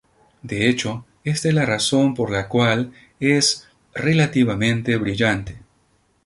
De hecho esta es la razón por la cual es relativamente brillante.